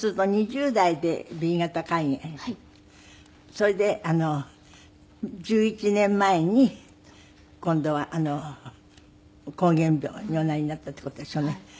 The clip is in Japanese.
それで１１年前に今度は膠原病におなりになったっていう事ですよね。